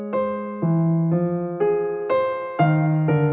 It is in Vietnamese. đặc biệt là